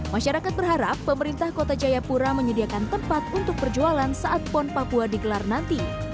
masyarakat berharap pemerintah kota jayapura menyediakan tempat untuk perjualan saat pon papua digelar nanti